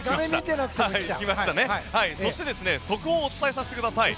そして、速報をお伝えさせてください。